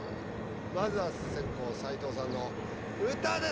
まずは先攻斎藤さんの歌です。